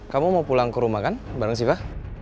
kamu mau pulang ke rumah kan bareng siva